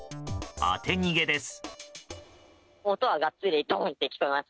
当て逃げです。